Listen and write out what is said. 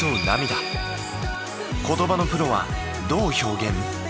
言葉のプロはどう表現？